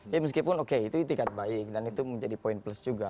ya meskipun oke itu itikat baik dan itu menjadi poin plus juga